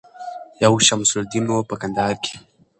یو شمس الدین وم په کندهار کي